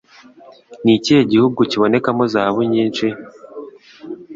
Nikihe gihugu kibonekamo zahabu nyinshi